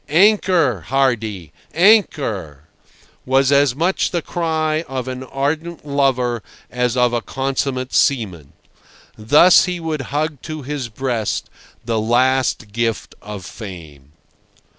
"Anchor, Hardy—anchor!" was as much the cry of an ardent lover as of a consummate seaman. Thus he would hug to his breast the last gift of Fame.